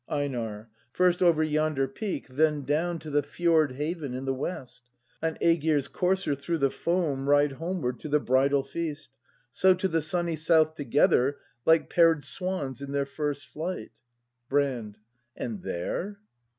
EiNAR. First over yonder peak, then down To the fjord haven in the west; On Egir's courser through the foam Ride homeward to the bridal feast, — So to the sunny south together Like paired swans in their first flight Brand. And there